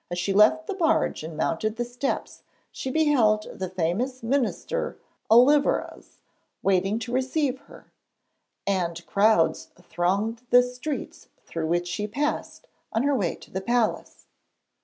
As she left the barge and mounted the steps she beheld the famous Minister Olivarez waiting to receive her, and crowds thronged the streets through which she passed on her way to the palace.